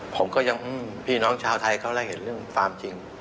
ผมก็ยังพี่น้องชาวไทยเขาและเห็นเรื่องความจริง